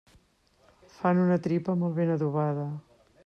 Fan una tripa molt ben adobada.